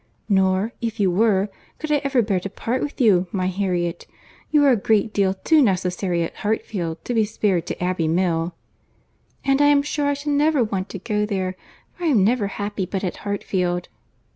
"Nor, if you were, could I ever bear to part with you, my Harriet. You are a great deal too necessary at Hartfield to be spared to Abbey Mill." "And I am sure I should never want to go there; for I am never happy but at Hartfield."